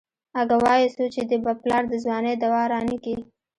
اگه وايي څو چې دې پلار د ځوانۍ دوا رانکي.